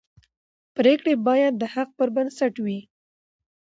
پرېکړې باید د حق پر بنسټ وي